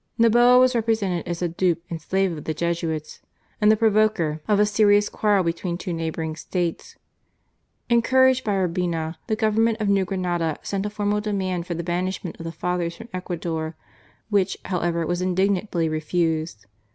Noboa was represented as a dupe and slave of the Jesuits, and the provoker of a serious quarrel between two neighbouring States. Encouraged by Urbina, the Government of New Grenada sent a formal demand for the banishment of the Fathers from Ecuador, which, however, was indignantly refused.